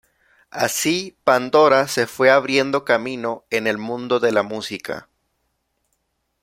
Así Pandora se fue abriendo camino en el mundo de la música.